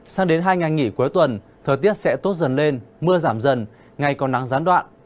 sang đến hai ngày nghỉ cuối tuần thời tiết sẽ tốt dần lên mưa giảm dần ngày còn nắng gián đoạn